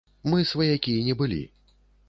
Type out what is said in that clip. Мы сваякі не былі.